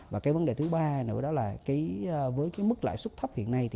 và vấn đề thứ ba nữa với mức lãi suất thấp hiện nay